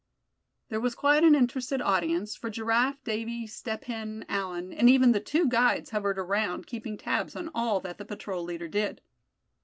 There was quite an interested audience, for Giraffe, Davy, Step Hen, Allan, and even the two guides hovered around, keeping tabs on all that the patrol leader did.